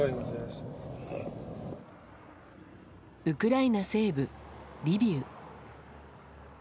ウクライナ西部リビウ。